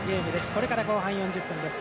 これから後半４０分です。